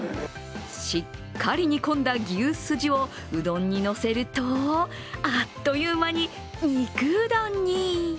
しっかり煮込んだ牛すじをうどんにのせるとあっという間に肉うどんに。